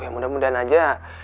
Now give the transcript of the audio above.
ya mudah mudahan aja